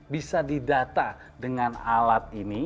bisa didata dengan alat ini